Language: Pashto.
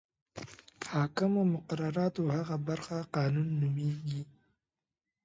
حاکمو مقرراتو هغه برخه قانون نومیږي.